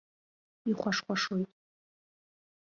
Ихәашхәашоит.